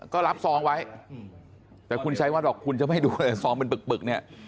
ก็รับซองไว้แต่คุณชัยวัดบอกคุณจะไม่ดูเลยซองเป็นปึกเนี่ย